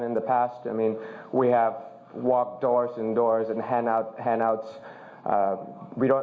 คนไทยความรู้สึกว่าเวลาเปลี่ยนแล้วมันเป็นเวลาที่ถูกต้อง